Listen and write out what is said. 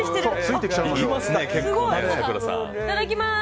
いただきます。